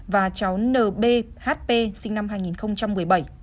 và cháu nbhp sinh năm hai nghìn một mươi bảy